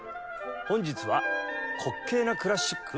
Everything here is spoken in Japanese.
本日は「滑稽なクラシック？